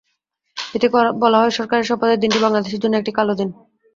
এতে বলা হয়, সরকারের শপথের দিনটি বাংলাদেশের জন্য একটি কালো দিন।